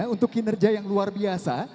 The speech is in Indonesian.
untuk kinerja yang luar biasa